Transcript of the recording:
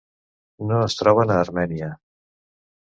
No es troben a Armènia.